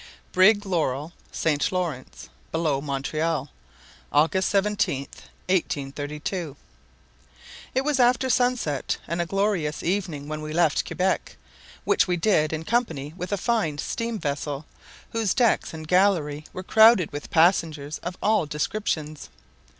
Brig Laurel, St. Laurence, below Montreal, August 17, 1832 IT was after sunset, and a glorious evening, when we left Quebec, which we did in company with a fine steam vessel, whose decks and gallery were crowded with passengers of all descriptions.